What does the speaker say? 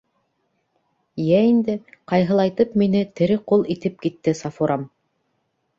Йә инде, ҡайһылайтып мине тере ҡул итеп китте Сафурам.